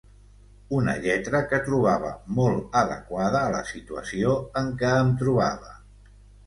Una lletra que trobava molt adequada a la situació en què em trobava...